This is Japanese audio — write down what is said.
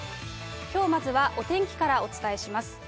きょうまずはお天気からお伝えします。